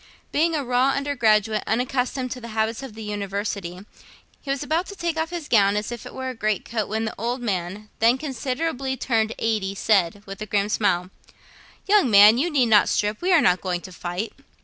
Being a raw undergraduate, unaccustomed to the habits of the University, he was about to take off his gown, as if it were a great coat, when the old man, then considerably turned eighty, said, with a grim smile, 'Young man, you need not strip: we are not going to fight.'